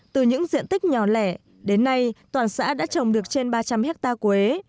từ những diện tích nhỏ lẻ đến nay toàn xã đã trồng được trên ba trăm linh hectare quế